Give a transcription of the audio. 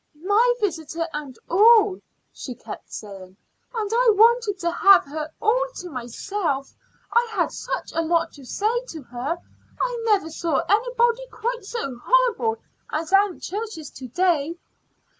"My visitor and all," she kept saying. "And I wanted to have her all to myself; I had such a lot to say to her. I never saw anybody quite so horrible as Aunt Church is to day."